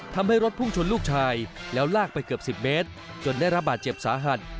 ทำให้รถพุ่งชนลูกชายแล้วลากไปเกือบ๑๐เมตรจนได้รับบาดเจ็บสาหัส